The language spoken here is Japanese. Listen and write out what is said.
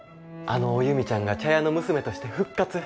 あのおゆみちゃんが茶屋の娘として復活！